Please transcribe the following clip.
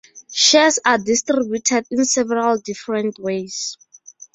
Shares are distributed in several different ways.